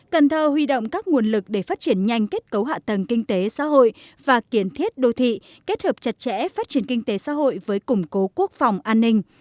cần thơ huy động các nguồn lực để phát triển nhanh kết cấu hạ tầng kinh tế xã hội và kiến thiết đô thị kết hợp chặt chẽ phát triển kinh tế xã hội với củng cố quốc phòng an ninh